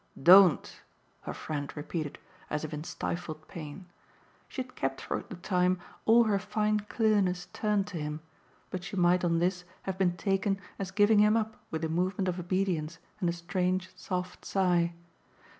"Don't!" her friend repeated as in stifled pain. She had kept for the time all her fine clearness turned to him; but she might on this have been taken as giving him up with a movement of obedience and a strange soft sigh.